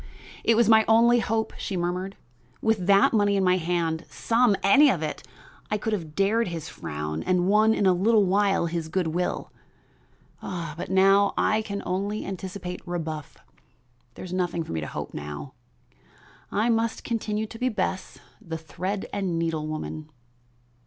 "It was my only hope," she murmured. "With that money in my hand some, any of it, I could have dared his frown and won in a little while his good will, but now I can only anticipate rebuff. There is nothing for me to hope for now. I must continue to be Bess, the thread and needle woman."